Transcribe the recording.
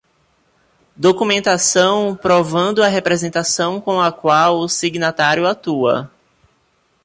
Documentação provando a representação com a qual o signatário atua.